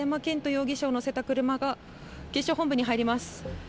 容疑者を乗せた車が警視庁本部に入ります。